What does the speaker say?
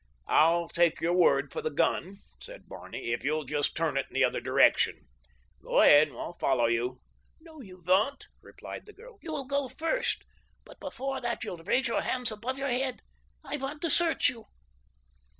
"I'll take your word for the gun," said Barney, "if you'll just turn it in the other direction. Go ahead—I'll follow you." "No, you won't," replied the girl. "You'll go first; but before that you'll raise your hands above your head. I want to search you."